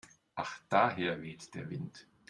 Ach daher weht der Wind.